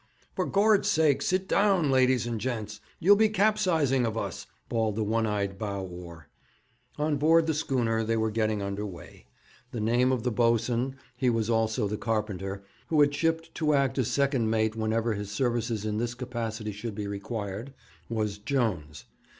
'For Gord's sake, sit down, ladies and gents! You'll be capsizing of us!' bawled the one eyed bow oar. On board the schooner they were getting under weigh. The name of the boatswain he was also the carpenter who had shipped to act as second mate whenever his services in this capacity should be required, was Jones.